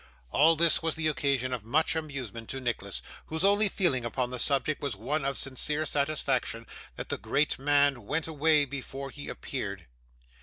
All this was the occasion of much amusement to Nicholas, whose only feeling upon the subject was one of sincere satisfaction that the great man went away before he appeared.